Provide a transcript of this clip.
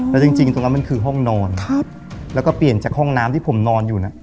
แล้วจริงตรงนั้นมันคือห้องนอนแล้วก็เปลี่ยนจากห้องน้ำที่ผมนอนอยู่น่ะ